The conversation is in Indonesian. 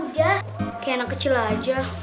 kayak anak kecil aja